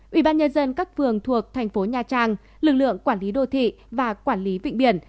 ủy ban nhân dân các phường thuộc thành phố nha trang lực lượng quản lý đô thị và quản lý vịnh biển